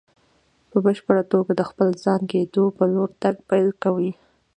په بشپړ توګه د خپل ځان کېدو په لور تګ پيل کوي.